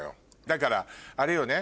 だからあれよね